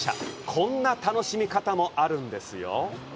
こんな楽しみ方もあるんです。